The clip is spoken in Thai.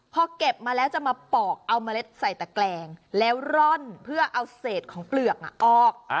พอเก็บมาแล้วจะมาปอกเอาเมล็ดใส่ตะแกลงแล้วร่อนเพื่อเอาเศษของเปลือกออก